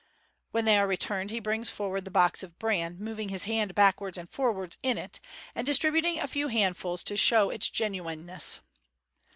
When they are returned, he brings forward the box of bran, moving his hand backwards and forwards in it, and distributing a few handfuls to show its genuineness.